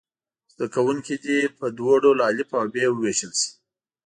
زده کوونکي دې په دوو ډلو الف او ب وویشل شي.